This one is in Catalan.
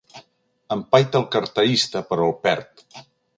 Empaita el carterista, però el perd.